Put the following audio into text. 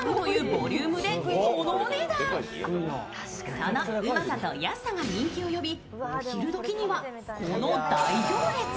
そのうまさと安さが人気を呼びお昼どきにはこの大行列。